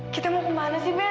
kita mau ke mana sih ben